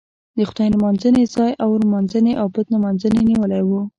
د خدای نمانځنې ځای اور نمانځنې او بت نمانځنې نیولی و.